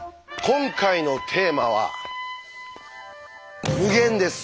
今回のテーマは「無限」です。